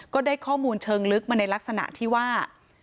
ก็ได้ข้อมูลเชิงลึกมาในลักษณะที่ว่า